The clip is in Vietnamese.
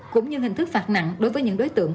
cũng như hình thức phạt nặng đối với những đối tượng